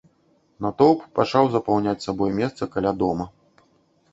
Натоўп пачаў запаўняць сабой месца каля дома.